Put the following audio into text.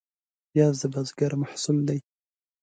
پیاز د بزګر محصول دی